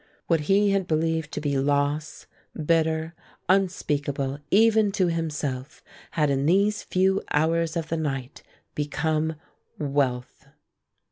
What he had believed to be loss, bitter, unspeakable even to himself, had in these few hours of the night become wealth.